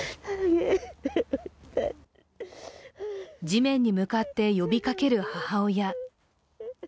地面に向かって呼びかける母親。